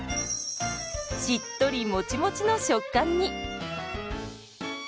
しっとりモチモチの食感に！